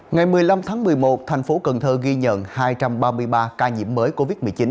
ngày một mươi năm tháng một mươi một thành phố cần thơ ghi nhận hai trăm ba mươi ba ca nhiễm mới covid một mươi chín